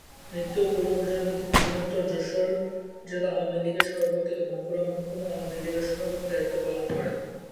মৃত্যুর পূর্ব পর্যন্ত তিনি বৃহত্তর যশোর জেলা আওয়ামী লীগের সভাপতি ও মাগুরা মহকুমা আওয়ামী লীগের সভাপতির দায়িত্ব পালন করেন।